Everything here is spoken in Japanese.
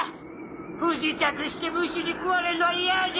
不時着して蟲に食われるのはイヤじゃ！